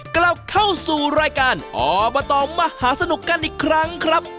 กลับเข้าสู่รายการอบตมหาสนุกกันอีกครั้งครับ